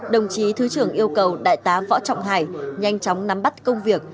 đồng chí thứ trưởng yêu cầu đại tá võ trọng hải nhanh chóng nắm bắt công việc